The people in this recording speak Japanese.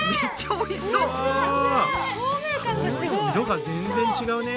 もう色が全然違うね。